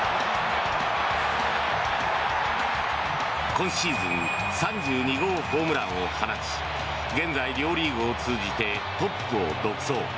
今シーズン３２号ホームランを放ち現在、両リーグを通じてトップを独走。